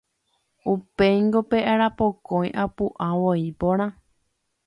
Upéingo pe arapokõi apu'ã voi porã.